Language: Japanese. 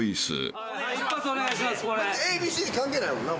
ＡＢＣ関係ないもんな？